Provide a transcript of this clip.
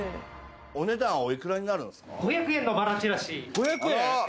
お値段お幾らになるんですか？